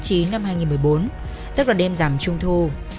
sáng ngày bảy tháng chín năm hai nghìn một mươi bốn tức là đêm giảm trung thu